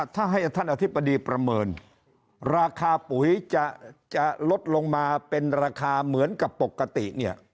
ถ้าให้ท่านอธิบดีประเมินราคาปุ๋ยจะลดลงมาเป็นราคาเหมือนกับปกติเนี่ย